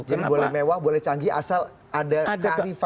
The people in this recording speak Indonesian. jadi boleh mewah boleh canggih asal ada kearifan